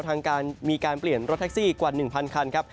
ทางการมีการเปลี่ยนรถแท็กซี่กว่า๑๐๐คันครับ